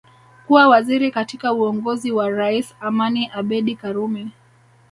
Kuwa waziri katika uongozi wa Rais Amani Abedi Karume